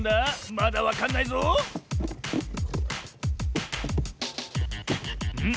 まだわかんないぞん？